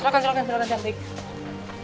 silahkan silahkan silahkan cantik